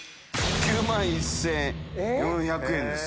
９万１４００円です。